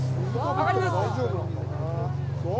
上がります